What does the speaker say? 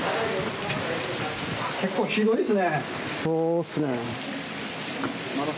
結構、ひどいですね。